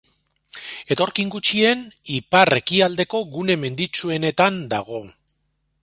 Etorkin gutxien ipar-ekialdeko gune menditsuenetan dago.